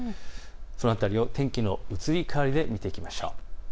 その辺りを天気の移り変わりで見ていきましょう。